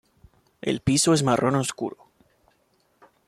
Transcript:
El piso es marrón oscuro.